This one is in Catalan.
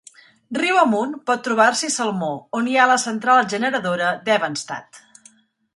Riu amunt pot trobar-s'hi salmó, on hi ha la central generadora d'Evenstad.